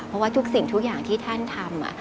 เพราะว่าทุกสิ่งทุกอย่างที่ท่านทำ